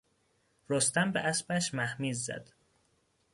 رستم به اسبش مهمیز زد.